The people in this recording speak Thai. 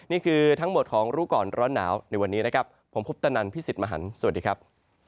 นี่คือทั้งหมดของรู้ก่อนร้อนหนาวในวันนี้นะครับผมคุปตนันพี่สิทธิ์มหันฯสวัสดีครับ